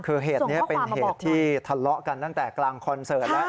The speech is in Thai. คือเหตุนี้เป็นเหตุที่ทะเลาะกันตั้งแต่กลางคอนเสิร์ตแล้ว